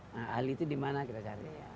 nah ahli itu dimana kita cari